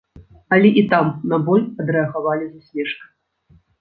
Але і там на боль адрэагавалі з усмешкай.